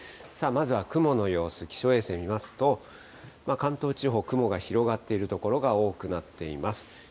さあ、まずは雲の様子、気象衛星見ますと、関東地方、雲が広がっている所が多くなっています。